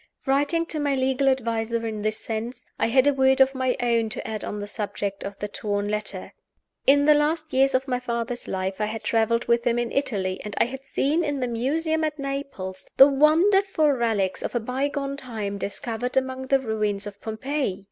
Writing to my legal adviser in this sense, I had a word of my own to add on the subject of the torn letter. In the last years of my father's life I had traveled with him in Italy, and I had seen in the Museum at Naples the wonderful relics of a bygone time discovered among the ruins of Pompeii.